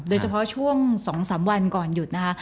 โดยเฉพาะช่วง๒๓วันก่อนหยุดนะคะ